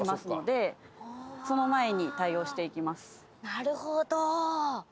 なるほど。